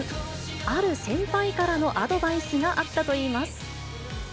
ある先輩からのアドバイスがあったといいます。